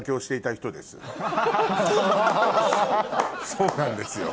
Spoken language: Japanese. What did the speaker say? そうなんですよ。